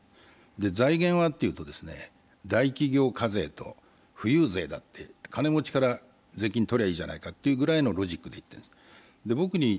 財源はというと、大企業課税と富裕税だと金持ちから税金取ればいいじゃないかというぐらいのロジックで言っているんです。